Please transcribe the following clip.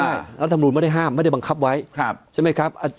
อ่าแล้วธรรมดุลไม่ได้ห้ามไม่ได้บังคับไว้ครับใช่ไหมครับอ่า